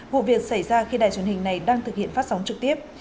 vụ việc xảy ra khi đài truyền hình này đang thực hiện phát sóng trực tiếp